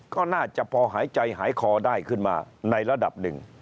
ก็น่าจะพอหายใจหายคอได้ขึ้นมาในระดับหนึ่ง